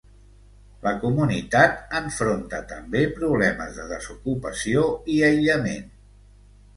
La comunitat enfronta també problemes de desocupació i aïllament.